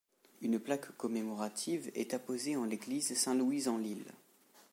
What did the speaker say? Une plaque commémorative est apposée en l'Église Saint-Louis-en-l'Île.